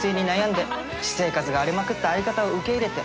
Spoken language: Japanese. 私生活が荒れまくった相方を受け入れて。